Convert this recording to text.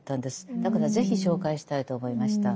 だから是非紹介したいと思いました。